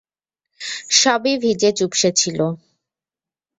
সবই ভিজে চুপসে ছিল।